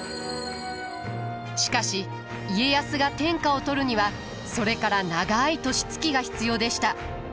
しかし家康が天下を取るにはそれから長い年月が必要でした。